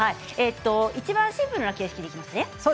いちばんシンプルな形式でいきますね。